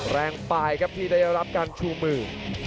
แรงปลายที่ได้รับการชูมือ